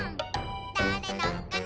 「だれのかな」